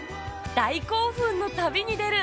大興奮の旅に出る